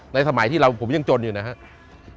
สมัยที่เราผมยังจนอยู่นะครับ